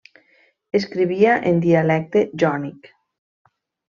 Escrivia en dialecte jònic.